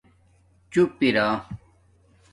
چُپ ار